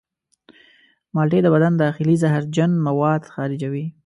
مالټې د بدن داخلي زهرجن مواد خارجوي.